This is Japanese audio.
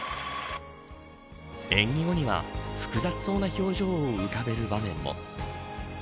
演技後には、複雑そうな表情を浮かべる場面も。